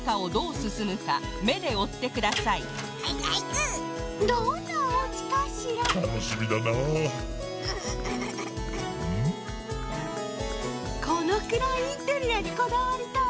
このくらいインテリアにこだわりたいわ。